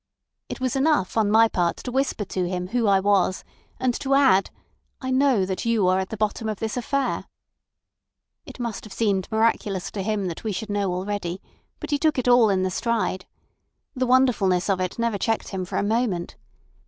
It was enough on my part to whisper to him who I was and to add 'I know that you are at the bottom of this affair.' It must have seemed miraculous to him that we should know already, but he took it all in the stride. The wonderfulness of it never checked him for a moment.